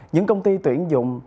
những công ty tuyển dụng